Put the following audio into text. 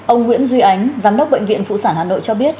ông nguyễn duy ánh giám đốc bệnh viện phụ sản hà nội cho biết